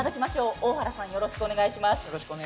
大原さん、よろしくお願いします。